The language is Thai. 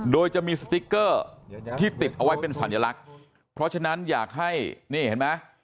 โดยจะมีสติ๊กเกอร์ที่ติดเอาไว้เป็นสัญลักษณ์เพราะฉะนั้นอยากให้นี่เห็นไหม